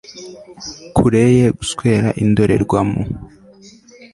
Kure ye guswera indorerwamo